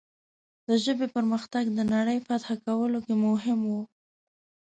د ژبې پرمختګ د نړۍ فتح کولو کې مهم و.